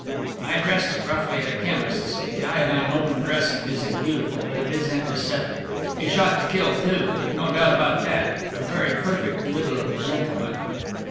"I dressed it roughly at a chemist's. The iodine open dressing isn't beautiful, but it is antiseptic. He shot to kill, too, there's no doubt about that. A very perfect little gentleman!"